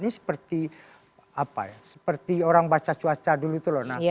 ini seperti apa ya seperti orang baca cuaca dulu itu loh